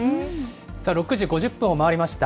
さあ、６時５０分を回りました。